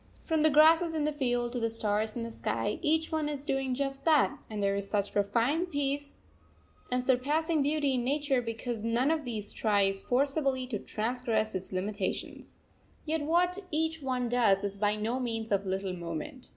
From the grasses in the field to the stars in the sky, each one is doing just that; and there is such profound peace and surpassing beauty in nature because none of these tries forcibly to transgress its limitations. Yet what each one does is by no means of little moment.